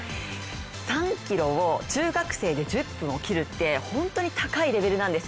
３ｋｍを中学生で１０分を切るって本当に高いレベルなんですよ。